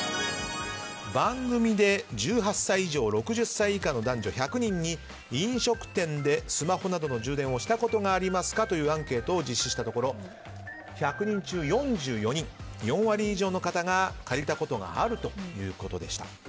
番組で１８歳以上６０歳以下の男女１００人以上に飲食店でスマホなどの充電をしたことがありますかというアンケートを実施したところ１００人中４４人４割以上の方が借りたことがあるということでした。